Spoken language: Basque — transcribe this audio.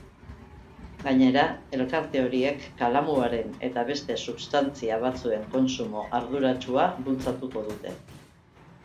Gainera, elkarte horiek kalamuaren eta beste substantzia batzuen kontsumo arduratsua bultzatuko dute.